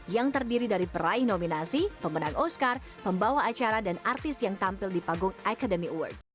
yang terdiri dari peraih nominasi pemenang oscar pembawa acara dan artis yang tampil di panggung academy awards